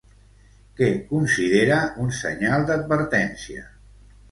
Què considera un senyal d'advertència?